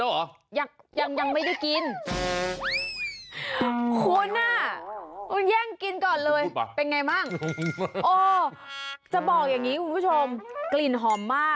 โอ้คาทิคุณผู้ชมค่ะคุณผู้ชมค่ะคุณผู้ชมค่ะ